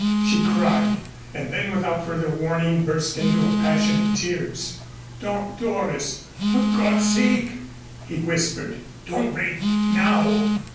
she cried, and then without further warning burst into a passion of tears. "Don't, Doris, for God's sake," he whispered. "Don't break now.